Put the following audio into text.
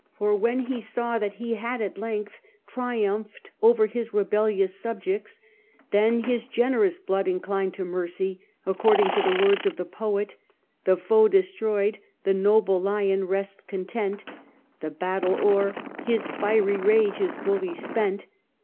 For when he saw that he had at length triumphed over his rebellious subjects, then his generous blood inclined to mercy, according to the words of the poet :* The foe destroyed, the noble lion rests content, The battle o'er, his fiery rage is fully spent.